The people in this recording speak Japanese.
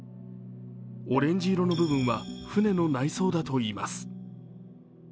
オレンジ色の部分は船の内装だといいます。